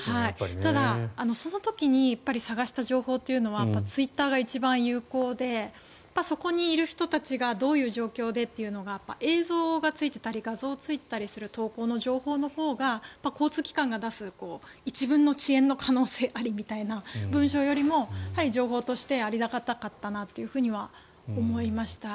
ただその時に探した情報というのはツイッターが一番有効でそこにいる人たちがどういう状況でというのが映像がついていたり画像がついていたりする投稿の情報のほうが交通機関が出す一文の遅延の可能性ありという文章よりもやはり情報としてありがたかったかなと思いました。